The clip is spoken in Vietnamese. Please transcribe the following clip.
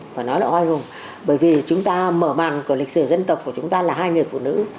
phải nói là oai hùng bởi vì chúng ta mở màn của lịch sử dân tộc của chúng ta là hai người phụ nữ